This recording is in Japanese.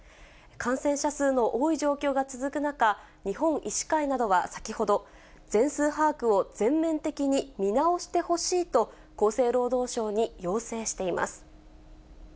感染者数の多い状況が続く中、日本医師会などは先ほど、全数把握を全面的に見直してほしいと、厚生労働省に要請しています。